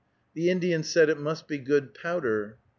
The Indian said, "It must be good powder."